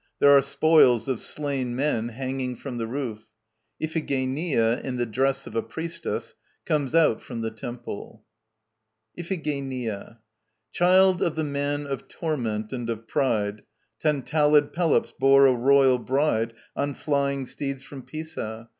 There are spoils of slain men hanging from the roof. IPHIGENIA, in the dress of a Priestess, comes out from the Temple.] IPHIGENIA. Child of the man of torment and of pride Tantalid Pelops bore a royal bride On flying steeds from Pisa.